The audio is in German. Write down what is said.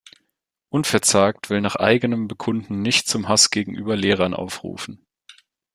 Unverzagt will nach eigenem Bekunden nicht zum Hass gegenüber Lehrern aufrufen.